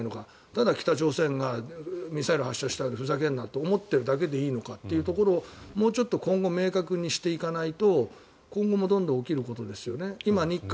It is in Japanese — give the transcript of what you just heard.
ただ、北朝鮮がミサイル発射したふざけんなと思ってるだけでいいのかというところをもうちょっと今後明確にしていかないと今後もどんどん起きることですよね。